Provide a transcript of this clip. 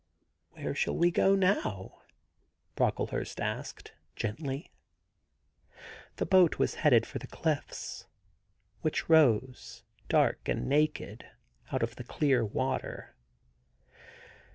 * Where shall we go now?' Brocklehurst asked gently. The boat was heading for the cliffs, which rose, dark and naked, out of the clear water.